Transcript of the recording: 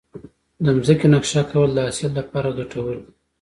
د ځمکې نقشه کول د حاصل لپاره ګټور دي.